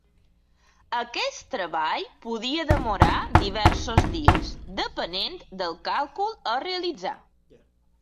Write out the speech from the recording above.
Aquest treball podia demorar diversos dies depenent del càlcul a realitzar.